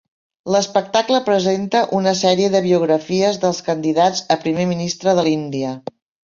L'espectacle presenta una sèrie de biografies dels candidats a primer ministre de l'Índia.